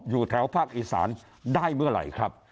อยู่แถวภาคอีสานได้เมื่อไหร่ครับ